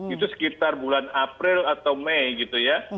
itu sekitar bulan april atau mei gitu ya